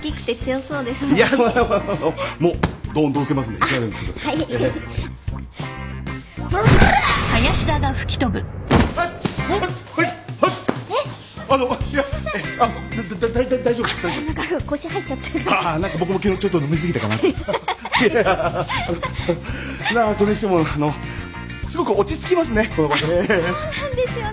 そうなんですよね。